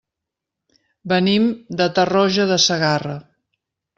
Venim de Tarroja de Segarra.